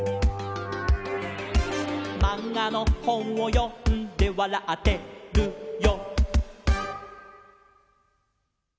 「まんがのほんをよんでわらってるよ」